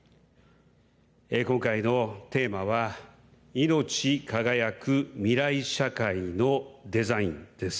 今回のテーマはいのち輝く未来社会のデザインです。